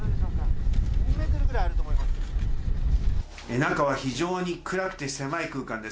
中は非常に暗くて狭い空間です。